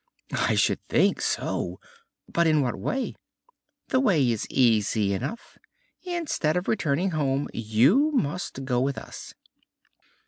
"I should think so! but in what way?" "The way is easy enough. Instead of returning home you must go with us."